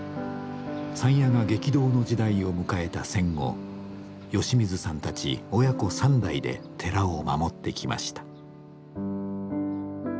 山谷が激動の時代を迎えた戦後吉水さんたち親子三代で寺を守ってきました。